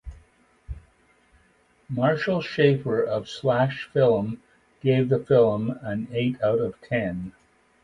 Marshall Shaffer of Slash Film gave the film an eight out of ten.